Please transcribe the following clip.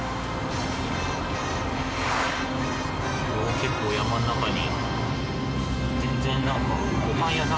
結構山ん中に。